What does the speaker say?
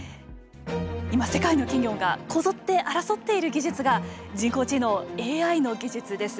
今、世界の企業がこぞって争っている技術が人工知能、ＡＩの技術です。